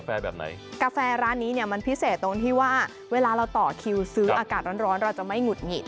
แบบไหนกาแฟร้านนี้เนี่ยมันพิเศษตรงที่ว่าเวลาเราต่อคิวซื้ออากาศร้อนร้อนเราจะไม่หุดหงิด